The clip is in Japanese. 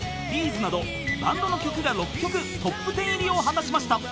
’ｚなどバンドの曲が６曲トップテン入りを果たしました］